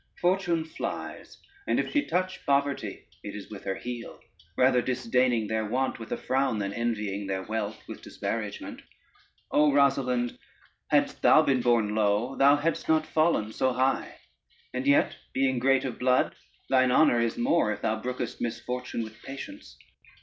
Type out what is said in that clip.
Fortune flies, and if she touch poverty it is with her heel, rather disdaining their want with a frown, than envying their wealth with disparagement. O Rosalynde, hadst thou been born low, thou hadst not fallen so high, and yet being great of blood thine honor is more, if thou brookest misfortune with patience.